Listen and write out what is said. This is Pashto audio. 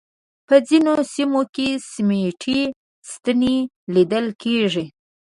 په ځینو سیمو کې سیمټي ستنې لیدل کېږي.